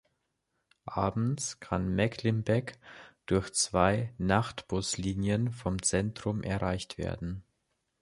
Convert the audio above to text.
Abends kann Mecklenbeck durch zwei Nachtbuslinien vom Zentrum erreicht werden.